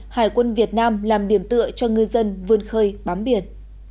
hải quân việt nam làm điểm tựa cho ngư dân vươn khơi bám biển